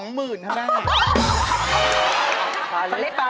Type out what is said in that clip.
๒หมื่นทำได้